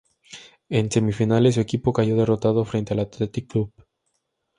En semifinales su equipo cayó derrotado frente al Athletic Club.